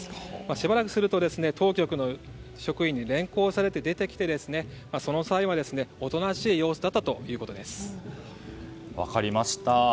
しばらくすると当局の職員に連行されて出てきて、その際はおとなしい様子だった分かりました。